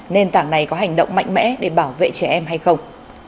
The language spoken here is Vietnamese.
nền tảng này có hành động mạnh mẽ để bảo vệ trẻ em hay không